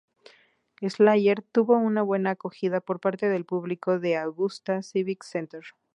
Slayer tuvo una buena acogida por parte del público del Augusta Civic Center.